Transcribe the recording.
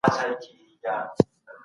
په دغي برخي کي يوازي زه او تاسي یو.